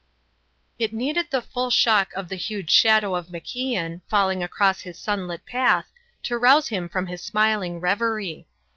It needed the full shock of the huge shadow of MacIan, falling across his sunlit path, to rouse him from his smiling reverie.